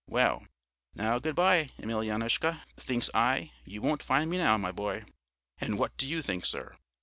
Well, now good bye, Emelyanoushka, thinks I, you won't find me now, my boy. "And what do you think, sir?